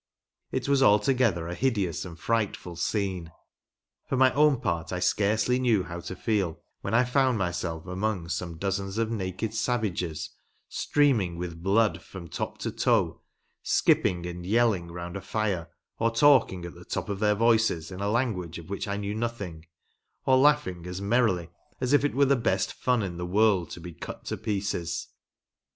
It was altogether a hideous and frightful scene. For my own part I scarcely knew how to feel when I found myself amongst some dozens of naked savages, streaming with blood from W' i . t4 20 THE ORIGINAL GAME. top to toe, skipping and yelling round a fire, or talking at the top of their voices in a language of which I knew nothing, or laughing as merrily as if it were the best fun in the world to be cut to pieces.